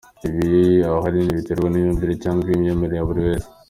Ibi ahanini biterwa n’imyumvire cyangwa imyemerere ya buri wese.